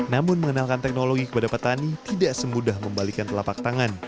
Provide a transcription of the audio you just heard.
namun mengenalkan teknologi kepada petani tidak semudah membalikan telapak tangan